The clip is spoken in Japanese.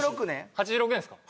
８６年ですか？